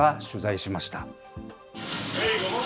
取材しました。